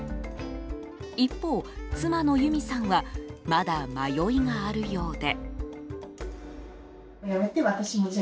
一方、妻の由実さんはまだ迷いがあるようで。